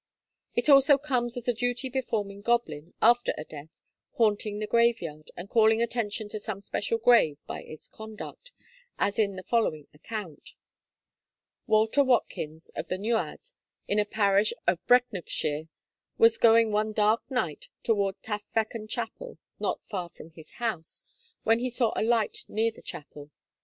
' It also comes as a duty performing goblin, after a death, haunting the graveyard, and calling attention to some special grave by its conduct, as in the following account: Walter Watkins, of the Neuadd, in a parish of Brecknockshire, was going one dark night towards Taf Fechan Chapel, not far from his house, when he saw a light near the chapel.